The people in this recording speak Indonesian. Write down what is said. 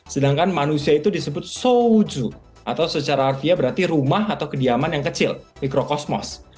sedangkan manusia itu disebut souju atau secara harfiah berarti rumah atau kediaman yang kecil mikrokosmos